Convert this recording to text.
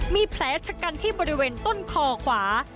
มีแผลชะกันที่บริเวณต้นคอขวา